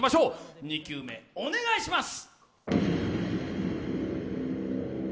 ２球目、お願いします。